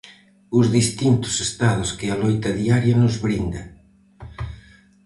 Os distintos estados que a loita diaria nos brinda.